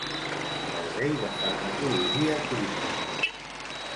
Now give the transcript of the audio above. Servei de Farmacologia Clínica.